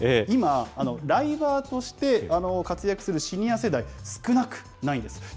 今、ライバーとして活躍するシニア世代、少なくないんです。